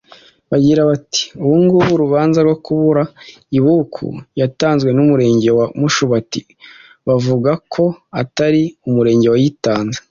Bagira bati “ubu ngubu urubanza rwo kuburana ibuku yatanzwe n’umurenge wa Mushubati bavuga ko atari umurenge wayitanze